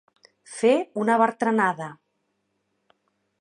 Fer una bertranada.